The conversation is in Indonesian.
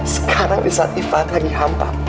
sekarang di saat ivan lagi hampa